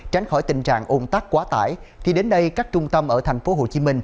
tránh khỏi tình trạng ôn tắc quá tải thì đến đây các trung tâm ở tp hcm